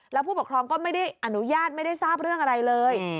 แล้วผู้ปกครองก็ไม่ได้อนุญาตไม่ได้ทราบเรื่องอะไรเลย